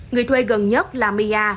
người thuê gần nhất là mia